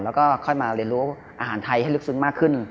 แล้วก็ค่อยมาเรียนรู้อาหารไทยให้ลึกซึ้งมากขึ้น